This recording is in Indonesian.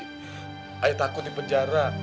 saya takut di penjara